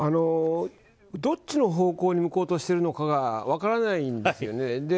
どっちの方向に向こうとしているのが分からないんですよね。